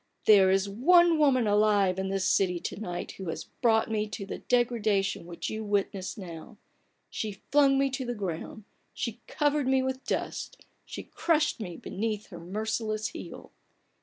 "There is one woman alive in this city to night who has brought me to the degradation which you witness now. She flung me to the ground, she covered me with dust, she crushed me beneath her merciless heel